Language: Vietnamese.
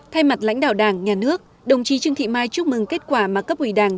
thay mặt lãnh đạo đảng nhà nước đồng chí trương thị mai chúc mừng kết quả mà cấp ủy đảng